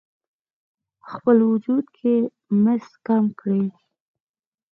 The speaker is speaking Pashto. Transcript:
خپل وجود کې مس کم کړئ: